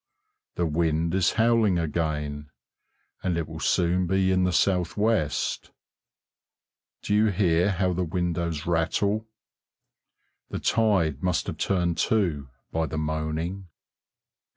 The wind is howling again, and it will soon be in the southwest; do you hear how the windows rattle? The tide must have turned too, by the moaning.